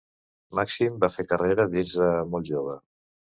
Màxim va fer carrera des de molt jove.